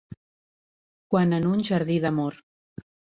Quan en un jardí d’amor